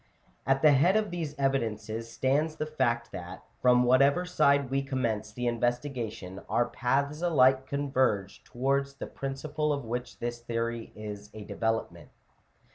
At the head of these evidences stands the fact that, from whatever side We commence the investigation, our paths alike converge towards the principle of which this theory is a deve lopment.